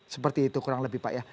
seperti itu kurang lebih pak ya